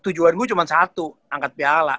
tujuan gue cuma satu angkat piala